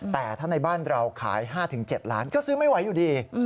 แต่ถ้าในบ้านเราขาย๕๗ล้านก็ซื้อไม่ไหวอยู่ดี